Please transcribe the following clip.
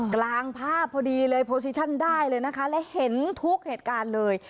กลางภาพพอดีเลยโปรซิชั่นได้เลยนะคะและเห็นทุกเหตุการณ์เลย